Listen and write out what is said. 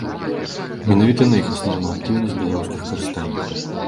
Менавіта на іх асноўная актыўнасць беларускіх карыстальнікаў.